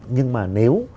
nhưng mà nếu